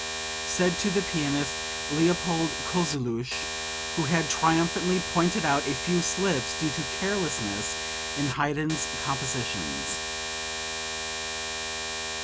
(Said to the pianist Leopold Kozeluch who had triumphantly pointed out a few slips due to carelessness in Haydn's compositions.)